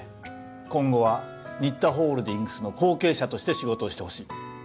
今後は新田ホールディングスの後継者として仕事をしてほしい